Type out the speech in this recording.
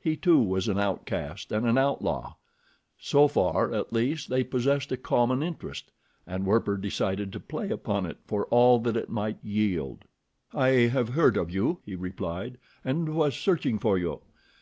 He, too, was an outcast and an outlaw. So far, at least, they possessed a common interest, and Werper decided to play upon it for all that it might yield. "I have heard of you," he replied, "and was searching for you.